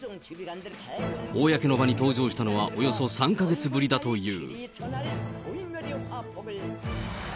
公の場に登場したのはおよそ３か月ぶりだという。